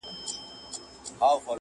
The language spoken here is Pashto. دا به شیطان وي چي د شپې بشر په کاڼو ولي؛